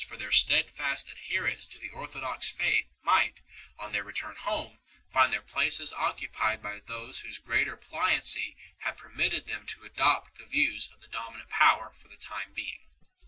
275 their steadfast adherence to the orthodox faith might, on their return home, find their places occupied by those whose greater pliancy had permitted them to adopt the views of the dominant power for the time being.